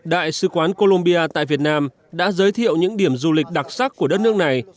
đại sứ quán colombia tại việt nam đã giới thiệu những điểm du lịch đặc sắc của đất nước này